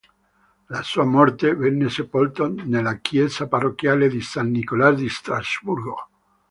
Alla sua morte, venne sepolto nella chiesa parrocchiale di san Nicola di Strasburgo.